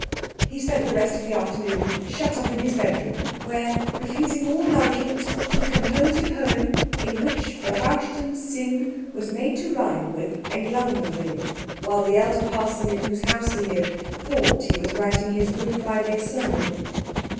He spent the rest of the afternoon shut up in his bedroom, where, refusing all nourishment, he composed a poem in which berauschten Sinn was made to rhyme with Engländerin, while the elder parson, in whose house he lived, thought he was writing his Good Friday sermon.